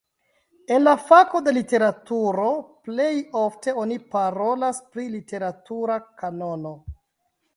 En la fako de literaturo plej ofte oni parolas pri literatura kanono.